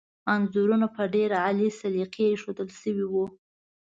انځورونه په ډېر عالي سلیقې ایښودل شوي وو.